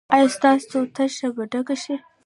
ایا ستاسو تشه به ډکه شي؟